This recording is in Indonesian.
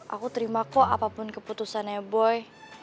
aku terima kok apapun keputusannya boy